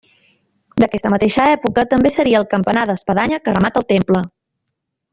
D'aquesta mateixa època també seria el campanar d'espadanya que remata el temple.